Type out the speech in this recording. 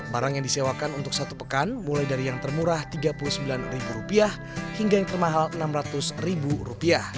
barang yang disewakan untuk satu pekan mulai dari yang termurah rp tiga puluh sembilan hingga yang termahal rp enam ratus